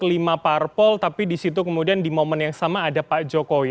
lima parpol tapi di situ kemudian di momen yang sama ada pak jokowi